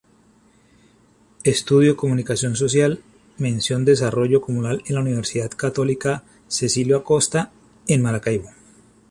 Estudio Comunicación Social, mención Desarrollo Comunal en la Universidad Católica Cecilio Acosta, en Maracaibo.